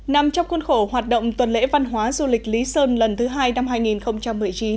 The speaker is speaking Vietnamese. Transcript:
nằm trong khuôn khổ hoạt động tuần lễ văn hóa du lịch lý sơn lần thứ hai năm hai nghìn một mươi chín